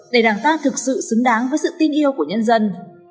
để đảng ta thực sự xứng đáng với sự tin yêu của nhân dân